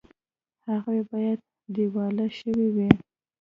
هغوی باید دیوالیه شوي وي